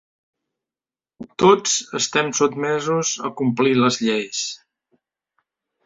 Tots estem sotmesos a complir les lleis